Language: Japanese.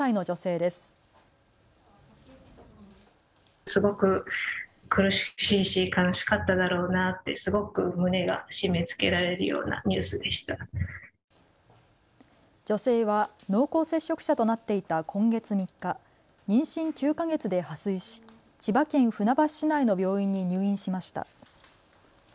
女性は濃厚接触者となっていた今月３日、妊娠９か月で破水し千葉県船橋市内の病院に入院しました。